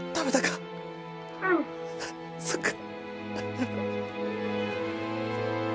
そっか。